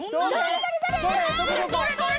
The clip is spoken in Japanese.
どれどれどれ？